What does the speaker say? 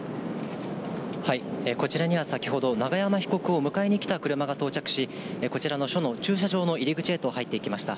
こちらには先ほど、永山被告を迎えに来た車が到着し、こちらの署の駐車場の入り口へと入っていきました。